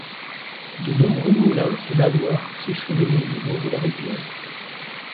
De nombreux moulins et lavoirs s'échelonnaient le long de la rivière.